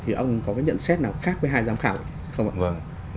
thì ông có cái nhận xét nào khác với hai giám khảo không ạ